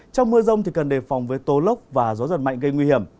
trong mưa rông thì cần đề phòng với tố lốc và gió giật mạnh gây nguy hiểm